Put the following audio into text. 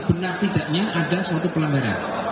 benar tidaknya ada suatu pelanggaran